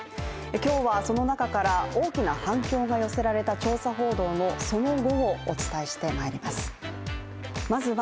今日はその中から大きな反響が寄せられた調査報道のその後をお伝えしてまいります。